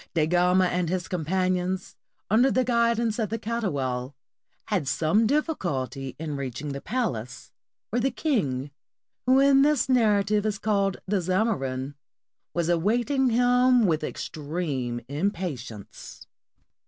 Da Gama and his companions, under the guidance of the Catoual, had some difficulty in reach ing the palace, where the king, who in the narrative is 603 PORTUGAL called the "Zamorin," was awaiting them with extreme impatience.